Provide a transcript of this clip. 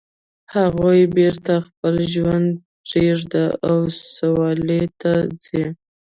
هغوی بیرته خپل ژوند پریږدي او سویل ته ځي